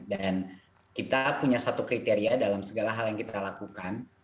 dan kita punya satu kriteria dalam segala hal yang kita lakukan